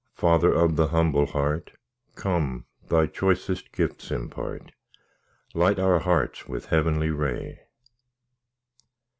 Father of the humble heart, Come, Thy choicest gifts impart— Light our hearts with heavenly ray.